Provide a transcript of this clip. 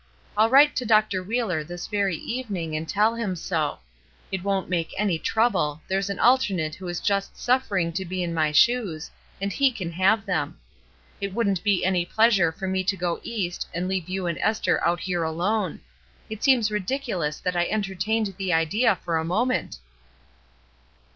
I'll write to Dr. Wheeler this very evenmg and tell him so ; it won't make any trouble, there's an alternate who is just suffering to be in my shoes, and he can have them. It wouldn't be any pleasure to me to go East and leave you and Esther out here alone ; it seems ridiculous that I entertained the idea for a moment."